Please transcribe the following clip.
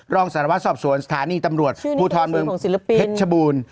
รองสารวัตรสอบสวนสถานีตำรวจภูทรเมืองเพชรชบูรณ์